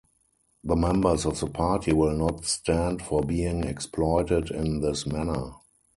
The members of the party will not stand for being exploited in this manner.